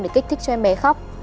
để kích thích cho em bé khóc